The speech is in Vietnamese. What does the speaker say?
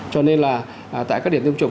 cho nên là tại các điểm tiêm chủng